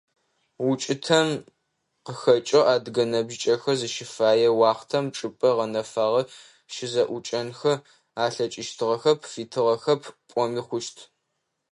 УкӀытэм къыхэкӀэу адыгэ ныбжьыкӀэхэр зыщыфэе уахътэм чӀыпӀэ гъэнэфагъэ щызэӀукӀэнхэ алъэкӀыщтыгъэхэп, фитыгъэхэп пӀоми хъущт.